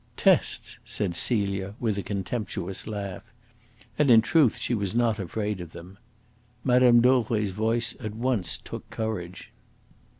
"Tests!" said Celia, with a contemptuous laugh. And, in truth, she was not afraid of them. Mme. Dauvray's voice at once took courage.